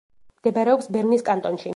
მდებარეობს ბერნის კანტონში.